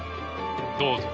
どうぞ。